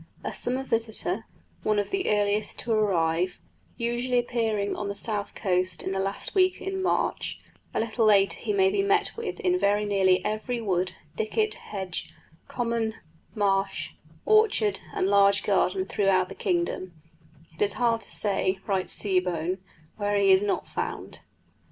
A summer visitor, one of the earliest to arrive, usually appearing on the South Coast in the last week in March; a little later he may be met with in very nearly every wood, thicket, hedge, common, marsh, orchard, and large garden throughout the kingdom it is hard to say, writes Seebohm, where he is not found.